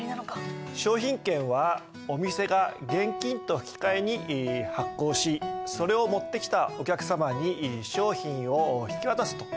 商品券はお店が現金と引き換えに発行しそれを持ってきたお客様に商品を引き渡すと。